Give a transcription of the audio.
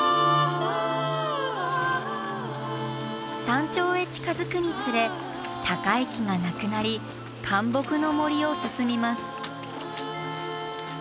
山頂へ近づくにつれ高い木がなくなりかん木の森を進みます。